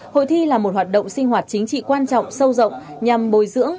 hội thi là một hoạt động sinh hoạt chính trị quan trọng sâu rộng nhằm bồi dưỡng